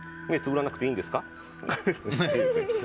目をつむらなくていいんですか？